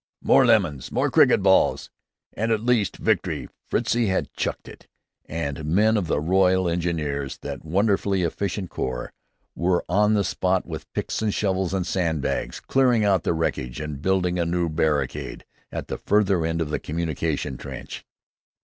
"More lemons! More cricket balls!" and at last, Victory! Fritzie had "chucked it," and men of the Royal Engineers, that wonderfully efficient corps, were on the spot with picks and shovels and sandbags, clearing out the wreckage, and building a new barricade at the farther end of the communication trench.